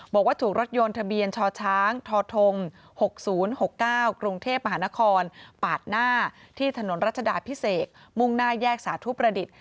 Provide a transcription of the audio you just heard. บอกว่าถูกรถยนต์ทะเบียนชชทท๖๐๖๙กรุงเทพมหานครปาดหน้าที่ถนนรัชดาพิเศษมุ่งหน้าแยกสาธุประดิษฐ์